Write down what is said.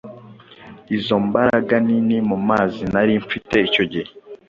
Izo mbaraga nini mumazi nari mfite icyo gihe